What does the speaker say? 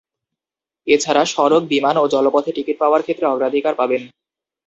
এ ছাড়া সড়ক, বিমান ও জলপথে টিকিট পাওয়ার ক্ষেত্রে অগ্রাধিকার পাবেন।